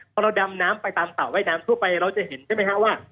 พอเราดำน้ำไปตามสระว่ายน้ำทั่วไปเราจะเห็นใช่ไหมฮะว่า